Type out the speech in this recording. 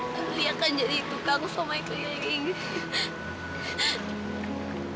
tadi lia kan jadi tukang sama iklil yang ingin